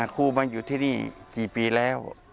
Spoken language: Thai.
ครูมาอยู่ที่นี่กี่ปีแล้ว